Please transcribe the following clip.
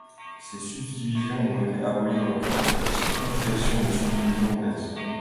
Ces subdivisions ont été abolies dans le cadre de la simplification des subdivisions anglaises.